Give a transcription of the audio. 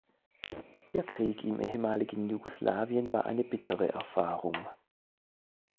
Der Krieg im ehemaligen Jugoslawien war eine bittere Erfahrung.